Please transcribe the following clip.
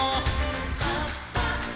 「はっぱっぱ！」